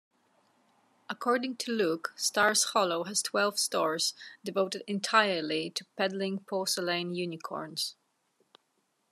According to Luke, Stars Hollow has twelve stores... devoted entirely to peddling porcelain unicorns.